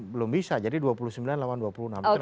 belum bisa jadi dua puluh sembilan lawan dua puluh enam